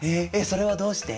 それはどうして？